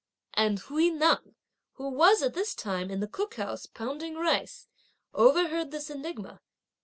"And Hui Neng, who was at this time in the cook house pounding rice, overheard this enigma.